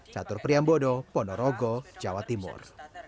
catur priambodo ponorogo jawa timur